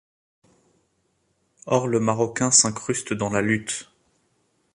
Or le marocain s'incruste dans la lutte.